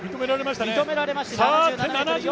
認められましたね。